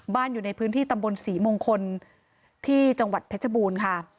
อยู่ในพื้นที่ตำบลศรีมงคลที่จังหวัดเพชรบูรณ์ค่ะ